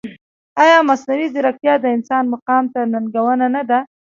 ایا مصنوعي ځیرکتیا د انسان مقام ته ننګونه نه ده؟